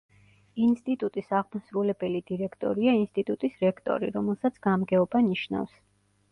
ინსტიტუტის აღმასრულებელი დირექტორია ინსტიტუტის რექტორი, რომელსაც გამგეობა ნიშნავს.